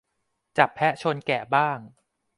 จับแพะชนแกะบ้าง